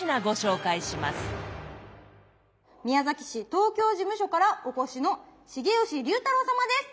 東京事務所からお越しの重吉龍太郎様です。